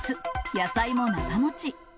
野菜も長もち。